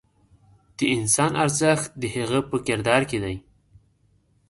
د انسان ارزښت د هغه په کردار کې دی.